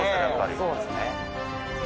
そうですね。